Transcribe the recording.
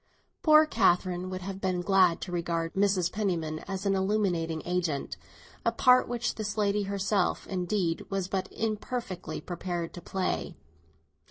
Poor Catherine would have been glad to regard Mrs. Penniman as an illuminating agent, a part which this lady herself indeed was but imperfectly prepared to play.